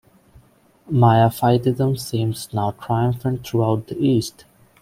Miaphysitism seemed now triumphant throughout the East.